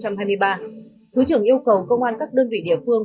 thứ trưởng yêu cầu công an các đơn vị địa phương